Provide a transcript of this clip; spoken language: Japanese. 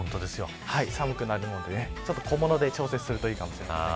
寒くなるので小物で調節するといいかもしれません。